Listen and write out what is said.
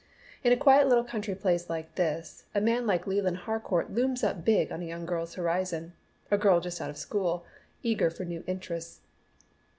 In a quiet little country place like this a man like Leland Harcourt looms up big on a young girl's horizon; a girl just out of school, eager for new interests.